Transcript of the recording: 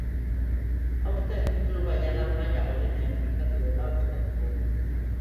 Aurten, kluba jada maila gorenean finkatu dela uste dugu.